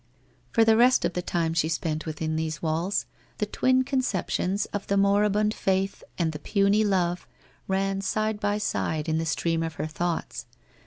For the rest of the time she spent within these walls, the twin conceptions of the moribund faith, and the puny love, ran side by side in the stream of her thoughts.